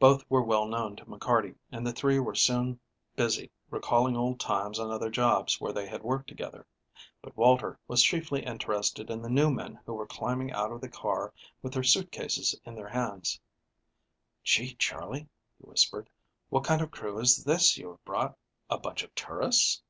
Both were well known to McCarty, and the three were soon busy recalling old times on other jobs where they had worked together. But Walter was chiefly interested in the new men who were climbing out of the car with their suit cases in their hands. "Gee, Charley," he whispered, "what kind of crew is this you have brought, a bunch of tourists?"